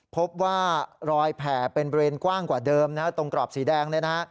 พบว่ารอยแผ่เป็นบริเวณกว้างกว่าเดิมตรงกราบสีแดง